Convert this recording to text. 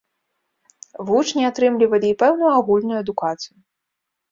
Вучні атрымлівалі і пэўную агульную адукацыю.